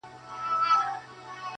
چي ناڅاپه سوه پیشو دوکان ته پورته!.